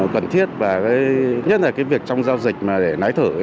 cần thiết và nhất là cái việc trong giao dịch mà để nái thử